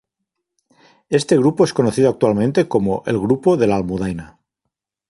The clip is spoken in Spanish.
Este grupo es conocido actualmente como "El grupo de La Almudaina".